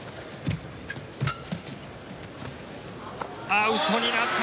アウトになった。